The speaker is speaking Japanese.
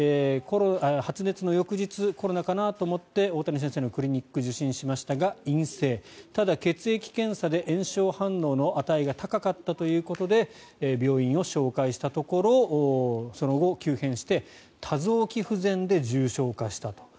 発熱の翌日、コロナかなと思って大谷先生のクリニックを受診しましたが陰性ただ、血液検査で炎症反応の値が高かったということで病院を紹介したところその後、急変して多臓器不全で重症化したと。